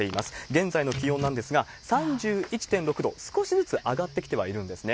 現在の気温なんですが、３１．６度、少しずつ上がってきてはいるんですね。